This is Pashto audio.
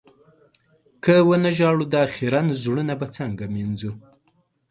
که و نه ژاړو، دا خيرن زړونه به څنګه مينځو؟